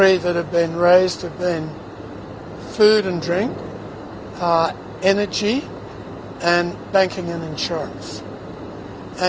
tiga yang telah dibangun adalah makanan dan minuman energi dan bankan dan insuransi